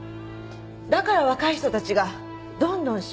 だから若い人たちがどんどん島を出ていくんです。